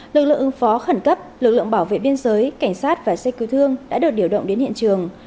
lực lượng ứng phó khẩn cấp lực lượng bảo vệ biên giới cảnh sát và xe cứu thương đã được điều động đến hiện trường